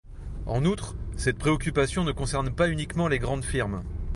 En outre, cette préoccupation ne concerne pas uniquement les grandes firmes.